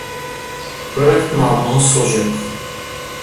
Projekt má mnoho složek.